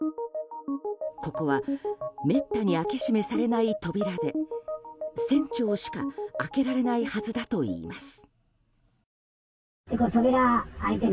ここは、めったに開け閉めされない扉で船長しか開けられないはずだといいます。